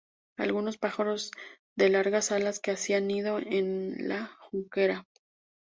algunos pájaros de largas alas, que hacían nido en la junquera